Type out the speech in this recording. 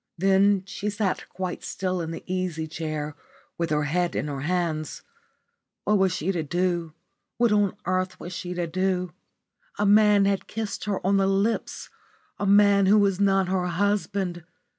Then she sat quite still in the easy chair with her head in her hands. What was she to do? What on earth was she to do? A man had kissed her on the lips a man who was not her husband.